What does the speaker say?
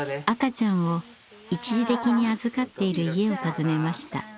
赤ちゃんを一時的に預かっている家を訪ねました。